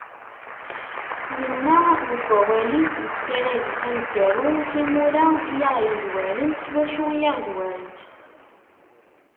Yenna- deg wawal-is deg usarag-is aneggaru: Timura i aɣ-yezwaren, s wacu i aɣ-zwarent?